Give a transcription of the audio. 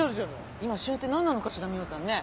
今旬って何なのかしら美穂さんね。